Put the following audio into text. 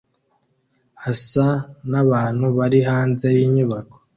asa nabantu bari hanze yinyubako